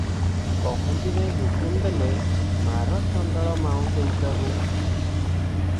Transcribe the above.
ପହଞ୍ଚିଯାଇ ହୁକୁମ ଦେଲେ, "ମାର ଚଣ୍ଡାଳ ମାଉଁସବିକାକୁ ।"